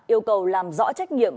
yêu cầu làm rõ trách nhiệm